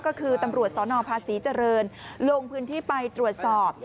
ก็คือตำรวจสนภาษีเจริญลงพื้นที่ไปตรวจสอบ